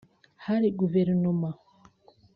hari guverinoma